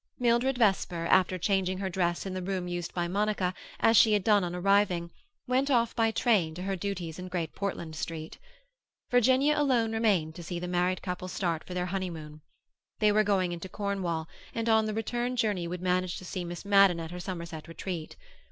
Mildred Vesper, after changing her dress in the room used by Monica, as she had done on arriving, went off by train to her duties in Great Portland Street. Virginia alone remained to see the married couple start for their honeymoon. They were going into Cornwall, and on the return journey would manage to see Miss Madden at her Somerset retreat.